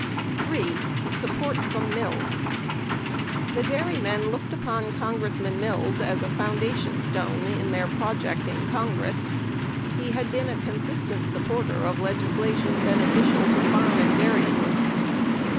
3. SUPPORT FROM MILLS The dairymen looked upon Congressman Mills as a foundation stone in their project in Congress. He had been a consistent supporter of legislation beneficial to farm and dairy groups.